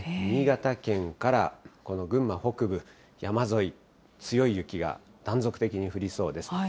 新潟県から、この群馬北部、山沿い、強い雪が断続的に降りそうです。